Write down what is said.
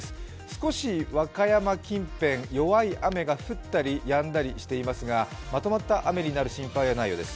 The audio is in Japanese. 少し和歌山近辺、弱い雨が降ったりやんだりしていますが、まとまった雨になる心配はないようです。